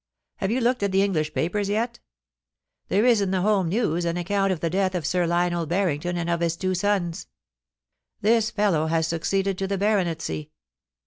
Have you looked at the English papers yet? There is in the "Home News" an account of the death of Sir Lionel Barrington and of his two sons. This SINISTER OMENS. 365 fellow has succeeded to the baronetcy.